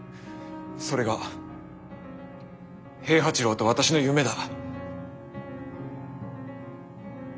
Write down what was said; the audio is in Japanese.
それが平八郎と私の夢だ。